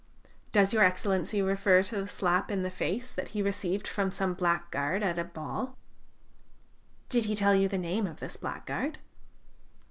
"Does Your Excellency refer to the slap in the face that he received from some blackguard at a ball?" "Did he tell you the name of this blackguard?"